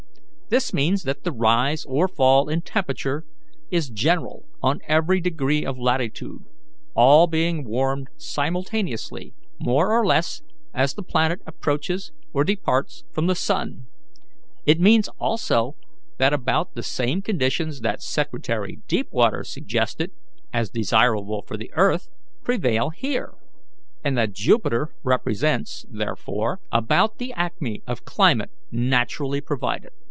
This means that the rise or fall in temperature is general on every degree of latitude, all being warmed simultaneously, more or less, as the planet approaches or departs from the sun. It means also that about the same conditions that Secretary Deepwaters suggested as desirable for the earth, prevail here, and that Jupiter represents, therefore, about the acme of climate naturally provided.